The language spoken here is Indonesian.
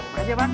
bisa aja pak